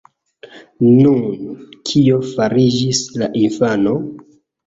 Nun, kio fariĝis la infano?